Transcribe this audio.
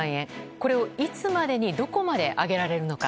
これをいつまでにどこまで上げられるのか。